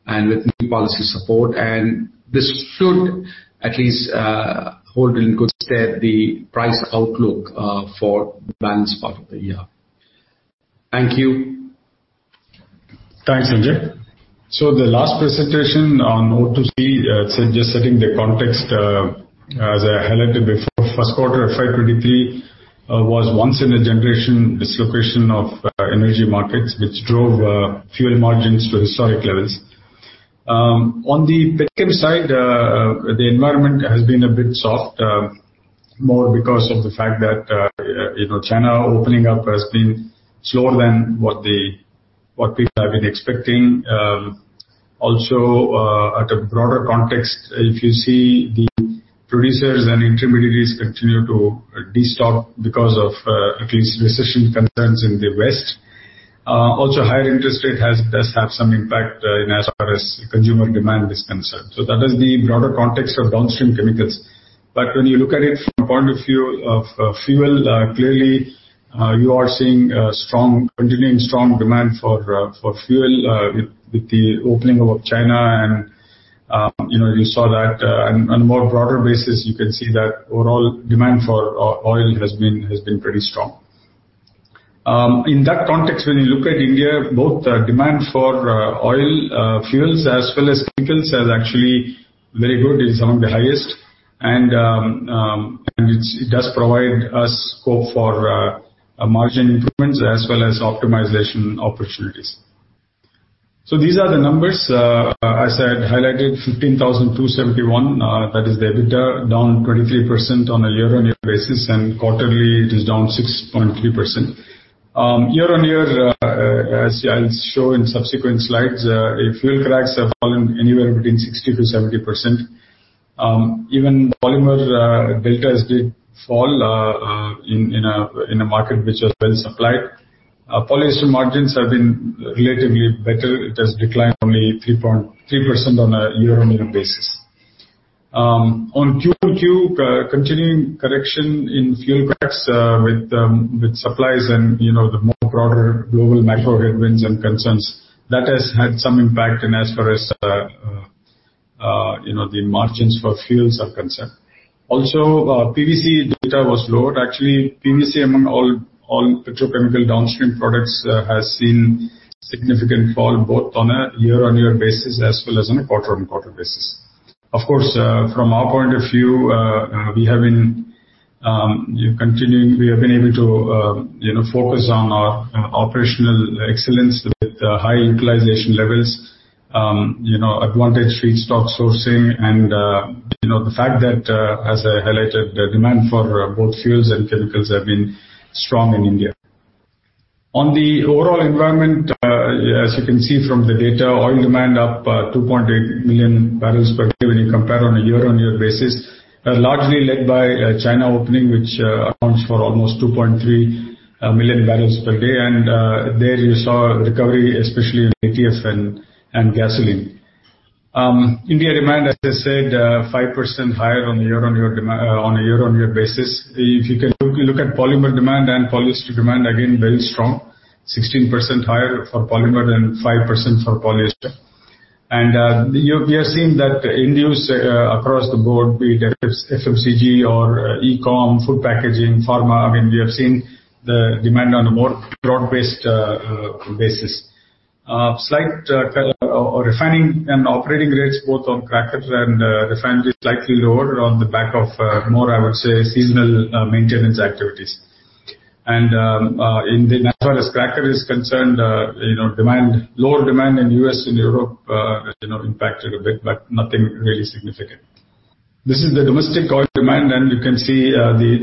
and with new policy support, and this should at least hold in good stead the price outlook for the balance part of the year. Thank you. Thanks, Sanjay. The last presentation on O2C, just setting the context, as I highlighted before, Q1 of FY 2023, was once in a generation dislocation of energy markets, which drove fuel margins to historic levels. On the back end side, the environment has been a bit soft, more because of the fact that, you know, China opening up has been slower than what people have been expecting. Also, at a broader context, if you see the producers and intermediaries continue to destock because of at least recession concerns in the West. Also, higher interest rate does have some impact in as far as consumer demand is concerned. That is the broader context of downstream chemicals. When you look at it from a point of view of fuel, clearly, you are seeing a strong, continuing strong demand for fuel with the opening of China. You know, you saw that on a more broader basis, you can see that overall demand for oil has been pretty strong. In that context, when you look at India, both the demand for oil, fuels as well as chemicals, are actually very good. It's among the highest. It's, it does provide us scope for a margin improvements as well as optimization opportunities. These are the numbers. As I had highlighted, 15,271, that is the EBITDA, down 23% on a year-on-year basis, and quarterly, it is down 6.3%. Year-on-year, as I'll show in subsequent slides, fuel cracks have fallen anywhere between 60%-70%. Even polymer delta has did fall in a market which was well supplied. Polyester margins have been relatively better. It has declined only 3.3% on a year-on-year basis. On Q-on-Q, continuing correction in fuel cracks, with supplies and, you know, the more broader global macro headwinds and concerns, that has had some impact in as far as, you know, the margins for fuels are concerned. Also, PVC data was lower. Actually, PVC among all petrochemical downstream products, has seen significant fall, both on a year-on-year basis as well as on a quarter-on-quarter basis. Of course, from our point of view, we have been continuing. We have been able to, you know, focus on our operational excellence with high utilization levels, you know, advantage feedstock sourcing and, you know, the fact that, as I highlighted, the demand for both fuels and chemicals have been strong in India. On the overall environment, as you can see from the data, oil demand up 2.8 million barrels per day when you compare on a year-on-year basis, largely led by China opening, which accounts for almost 2.3 million barrels per day. There you saw recovery, especially in ATF and gasoline. India demand, as I said, 5% higher on a year-on-year basis. If you can look at polymer demand and polyester demand, again, very strong, 16% higher for polymer and 5% for polyester. We are seeing that induce across the board, be it FMCG or e-com, food packaging, pharma. I mean, we have seen the demand on a more broad-based basis. Slight refining and operating rates both on crackers and refineries slightly lower on the back of more, I would say, seasonal maintenance activities. In as far as cracker is concerned, you know, demand, lower demand in U.S. and Europe, you know, impacted a bit, but nothing really significant. This is the domestic oil demand, and you can see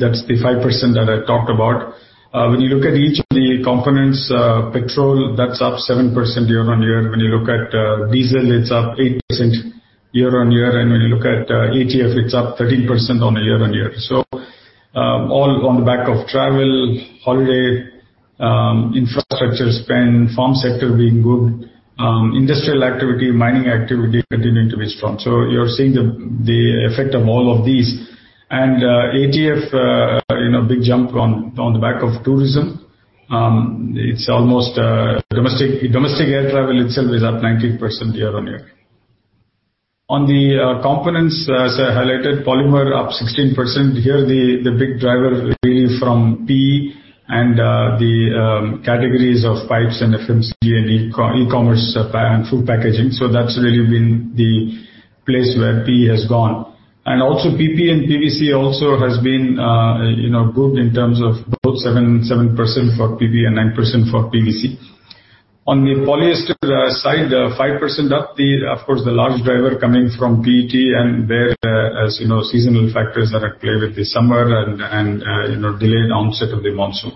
that's the 5% that I talked about. When you look at each of the components, petrol, that's up 7% year-on-year. When you look at diesel, it's up 8% year-on-year. When you look at ATF, it's up 13% on a year-on-year. All on the back of travel, holiday, infrastructure spend, farm sector being good, industrial activity, mining activity continuing to be strong. You're seeing the effect of all of these. ATF, you know, big jump on the back of tourism. It's almost domestic air travel itself is up 19% year-on-year. On the components, as I highlighted, polymer up 16%. Here, the big driver really from PE and the categories of pipes and FMCG and e-commerce and food packaging. That's really been the place where PE has gone. Also, PP and PVC also has been, you know, good in terms of both 7% for PP and 9% for PVC. On the polyester side, 5% up. Of course, the large driver coming from PET and where, as you know, seasonal factors are at play with the summer and, you know, delayed onset of the monsoon.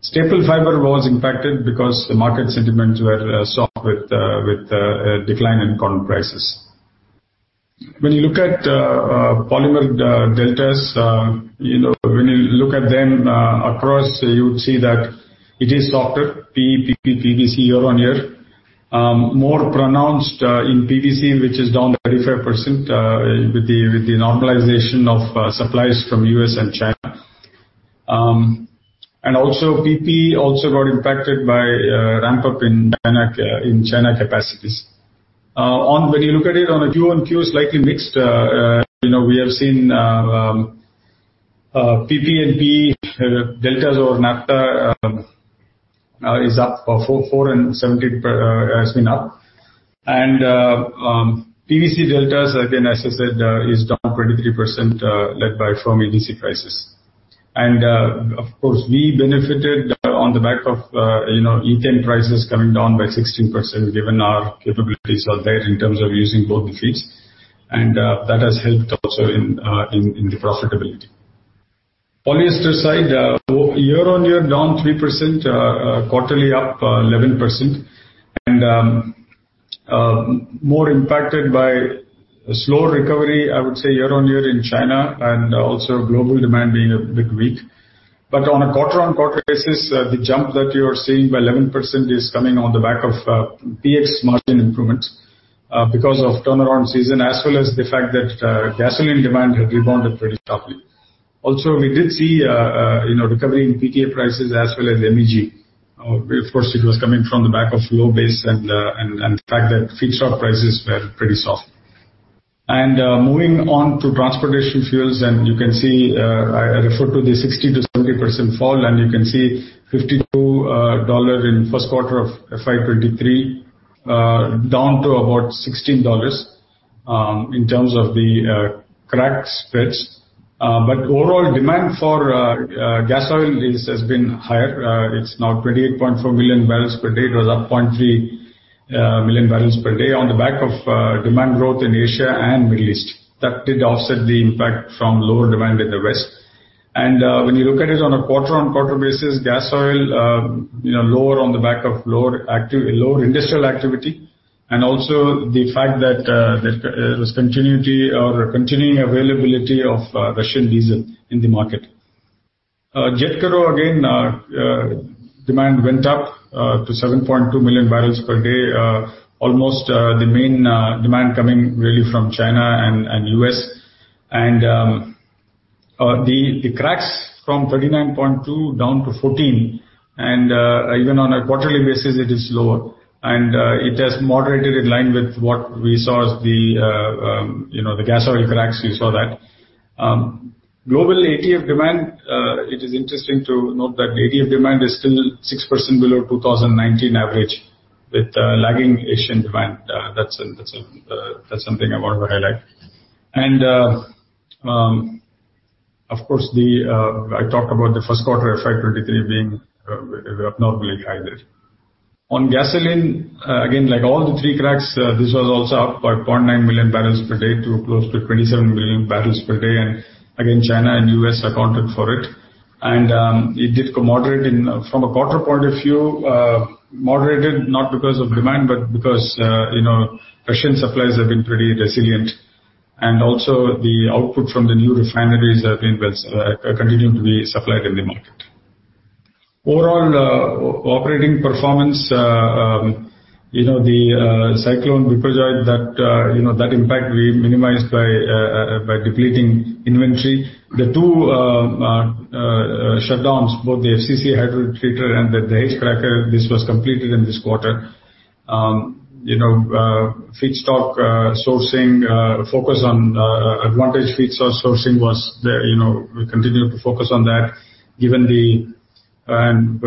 Staple fiber was impacted because the market sentiments were soft with decline in cotton prices. When you look at polymer deltas, you know, when you look at them across, you would see that it is softer, PE, PP, PVC, year-on-year. More pronounced in PVC, which is down 35% with the normalization of supplies from U.S. and China. PP also got impacted by ramp up in China capacities. On when you look at it on a Q on Q, slightly mixed. You know, we have seen PP and PE deltas over Naphtha is up 4 and 17 has been up. PVC deltas, again, as I said, is down 23% led by from EDC prices. Of course, we benefited on the back of, you know, ethane prices coming down by 16%, given our capabilities are there in terms of using both the feeds, and that has helped also in the profitability. Polyester side, year-over-year, down 3%, quarterly up 11%. More impacted by a slow recovery, I would say, year-over-year in China and also global demand being a bit weak. On a quarter-over-quarter basis, the jump that you are seeing by 11% is coming on the back of PX margin improvements because of turnaround season, as well as the fact that gasoline demand had rebounded pretty sharply. We did see, you know, recovery in PTA prices as well as MEG. Of course, it was coming from the back of low base and the fact that feedstock prices were pretty soft. Moving on to transportation fuels, you can see, I referred to the 60%-70% fall, and you can see $52 in Q1 of FY23, down to about $16 in terms of the crack spreads. Overall demand for gas oil has been higher. It's now 28.4 million barrels per day. It was up 0.3 million barrels per day on the back of demand growth in Asia and Middle East. That did offset the impact from lower demand in the West. When you look at it on a quarter-on-quarter basis, gas oil, you know, lower on the back of lower industrial activity, and also the fact that there was continuity or continuing availability of Russian diesel in the market. Jet kero, again, demand went up to 7.2 million barrels per day. Almost, the main demand coming really from China and U.S. The cracks from 39.2 down to 14, and even on a quarterly basis, it is lower. It has moderated in line with what we saw as the, you know, the gas oil cracks, we saw that. Global ATF demand, it is interesting to note that ATF demand is still 6% below 2019 average, with lagging Asian demand. That's something I want to highlight. Of course, the, I talked about the Q1 of FY 2023 being abnormally high there. On gasoline, again, like all the three cracks, this was also up by 0.9 million barrels per day to close to 27 million barrels per day, and again, China and U.S. accounted for it. It did moderate in, from a quarter point of view, moderated not because of demand, but because, you know, Russian supplies have been pretty resilient, and also the output from the new refineries have been continuing to be supplied in the market. Overall, operating performance, you know, the cyclone Biparjoy, that, you know, that impact we minimized by depleting inventory. The two shutdowns, both the FCC hydrotreater and the hydrocracker, this was completed in this quarter. You know, feedstock sourcing focus on advantage feedstock sourcing was there. You know, we continue to focus on that given the, given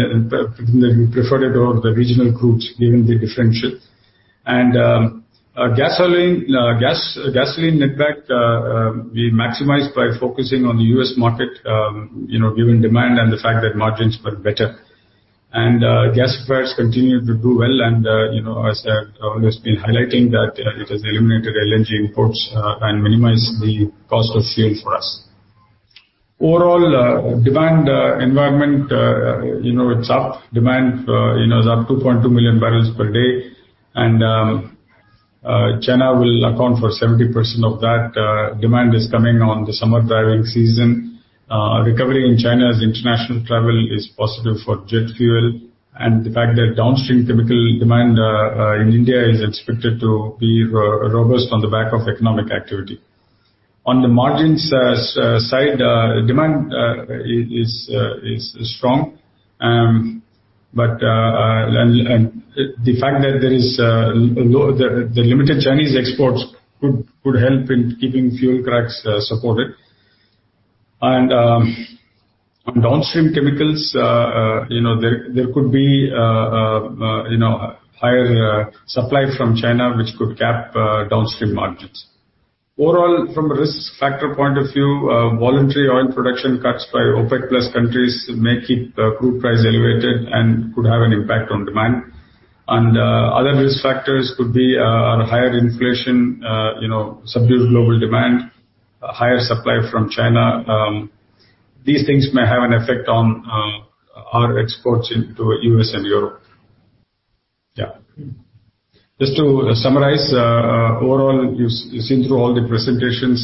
the preferred or the regional crudes, given the differentiate. Gasoline netback, we maximized by focusing on the U.S. market, you know, given demand and the fact that margins were better. Gas flares continued to do well, and, you know, as I've always been highlighting, that it has eliminated LNG imports, and minimized the cost of sales for us. Overall, demand environment, you know, it's up. Demand, you know, is up 2.2 million barrels per day, and China will account for 70% of that. Demand is coming on the summer driving season. A recovery in China's international travel is positive for jet fuel, and the fact that downstream chemical demand in India is expected to be robust on the back of economic activity. On the margins side, demand is strong. The fact that there is low, the limited Chinese exports could help in keeping fuel cracks supported. On downstream chemicals, you know, there could be, you know, higher supply from China, which could cap downstream margins. Overall, from a risk factor point of view, voluntary oil production cuts by OPEC+ countries may keep crude price elevated and could have an impact on demand. Other risk factors could be a higher inflation, you know, subdued global demand, a higher supply from China. These things may have an effect on our exports into U.S. and Europe. Just to summarize, overall, you've seen through all the presentations,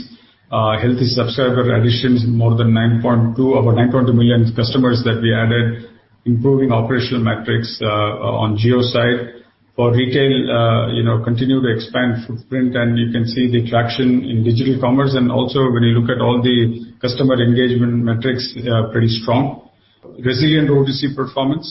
healthy subscriber additions, more than 9.2, over 9.2 million customers that we added, improving operational metrics on Jio side. For retail, you know, continue to expand footprint, and you can see the traction in digital commerce, and also when you look at all the customer engagement metrics, they are pretty strong. Resilient O2C performance,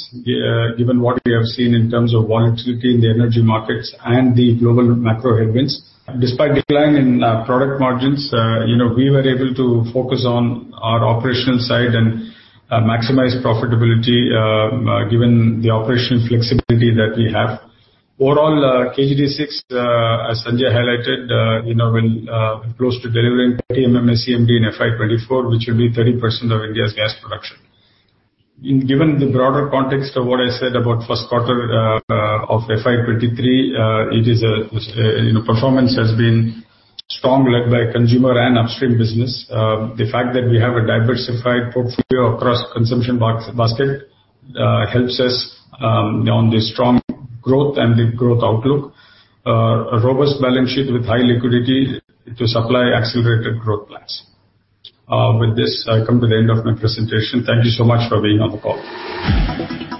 given what we have seen in terms of volatility in the energy markets and the global macro headwinds. Despite decline in product margins, you know, we were able to focus on our operational side and maximize profitability, given the operational flexibility that we have. Overall, KG-D6, as Sanjay highlighted, you know, when, close to delivering 30 MMSCMD in FY 2024, which will be 30% of India's gas production. Given the broader context of what I said about Q1, of FY 2023, it is a, you know, performance has been strong, led by consumer and upstream business. The fact that we have a diversified portfolio across consumption basket, helps us, on the strong growth and the growth outlook. A robust balance sheet with high liquidity to supply accelerated growth plans. With this, I come to the end of my presentation. Thank you so much for being on the call.